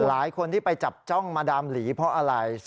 หลายคนที่ไปจับจ้องมาดามหลีเพราะอะไร